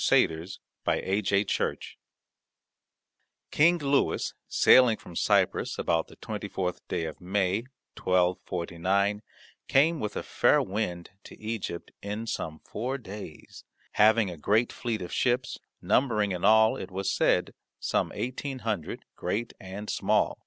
CHAPTER XIV SAINT LOUIS King Louis sailing from Cyprus about the 24th day of May, 1249, came with a fair wind to Egypt in some four days, having a great fleet of ships, numbering in all, it was said, some eighteen hundred, great and small.